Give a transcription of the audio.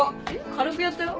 軽くやったよ？